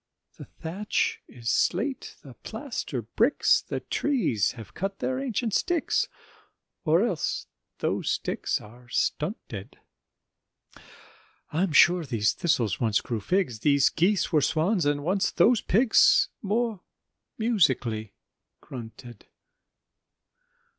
The thatch is slate, the plaster bricks, The trees have cut their ancient sticks, Or else those sticks are stunted: I'm sure these thistles once grew figs, These geese were swans, and once those pigs More musically grunted.